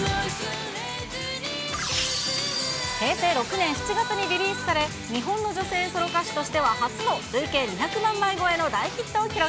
平成６年７月にリリースされ、日本の女性ソロ歌手としては初の累計２００万枚超えの大ヒット。